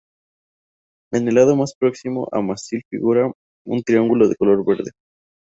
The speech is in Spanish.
En el lado más próximo al mástil figura un triángulo de color verde.